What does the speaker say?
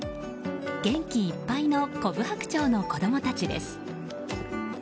元気いっぱいのコブハクチョウの子供たちです。